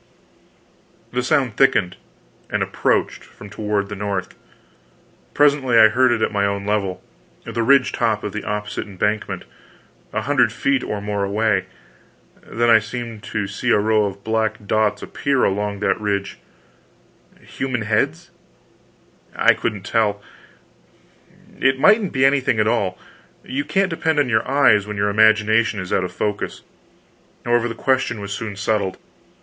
This sound thickened, and approached from toward the north. Presently, I heard it at my own level the ridge top of the opposite embankment, a hundred feet or more away. Then I seemed to see a row of black dots appear along that ridge human heads? I couldn't tell; it mightn't be anything at all; you can't depend on your eyes when your imagination is out of focus. However, the question was soon settled.